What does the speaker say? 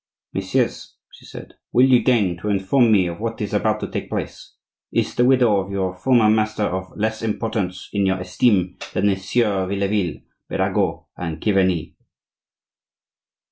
"Messieurs," she said, "will you deign to inform me of what is about to take place? Is the widow of your former master of less importance in your esteem than the Sieurs Vieilleville, Birago, and Chiverni?"